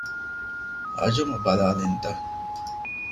އަޖުމަ ބަލާލިންތަ؟